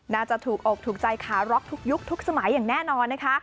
น่าจะถูกอกถูกใจขาร็อกทุกยุคทุกสมัยอย่างแน่นอนนะคะ